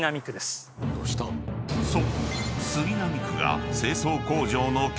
［そう］